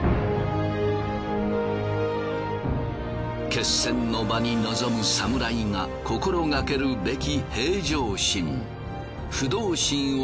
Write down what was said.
決戦の場に臨む侍が心がけるべき。